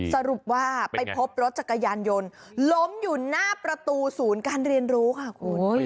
สรุปว่าไปพบรถจักรยานยนต์ล้มอยู่หน้าประตูศูนย์การเรียนรู้ค่ะคุณ